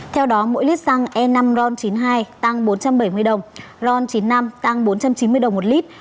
theo đó mỗi lít xăng e năm ron chín mươi hai tăng bốn trăm bảy mươi đồng ron chín mươi năm tăng bốn trăm chín mươi đồng một lít